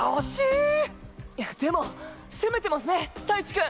いやでも攻めてますね太一君。